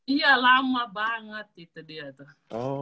iya lama banget itu dia tuh